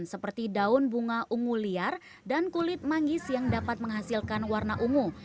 seperti daun bunga ungu liar dan kulit manggis yang dapat menghasilkan warna ungu